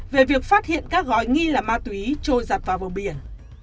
về việc phát hiện các gói nghi là ma túy trôi giặt vào vùng biển